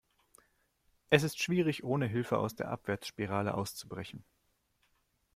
Es ist schwierig, ohne Hilfe aus der Abwärtsspirale auszubrechen.